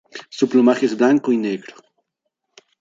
Su plumaje es blanco y negro.